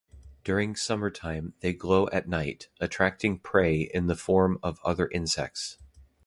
During summertime they glow at night, attracting prey in the form of other insects.